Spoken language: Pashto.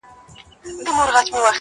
ښکارول به یې سېلونه د مرغانو -